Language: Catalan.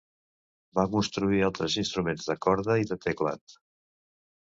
Va construir altres instruments de corda i de teclat.